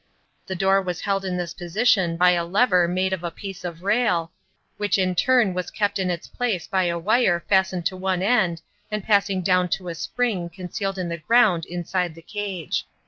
The door was held in this position by a lever made of a piece of rail, which in turn was kept in its place by a wire fastened to one end and passing down to a spring concealed in the ground inside the cage.